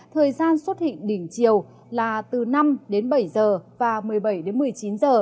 thời gian xuất hiện đỉnh chiều là từ năm bảy h và một mươi bảy một mươi chín h